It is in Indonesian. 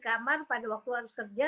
kamar pada waktu harus kerja